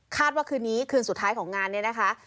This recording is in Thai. ว่าคืนนี้คืนสุดท้ายของงานเนี่ยนะคะ